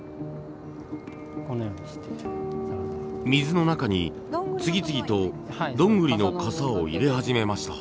水の中に次々とどんぐりのかさを入れ始めました。